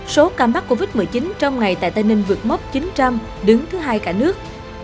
số ca mắc covid một mươi chín trong ngày tại tây ninh vượt mốc chín trăm linh đứng thứ hai cả nước